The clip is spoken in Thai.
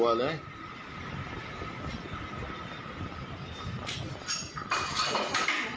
มันไม่ได้กลัวเลย